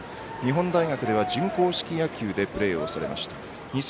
日本大学では準硬式野球でプレーしました。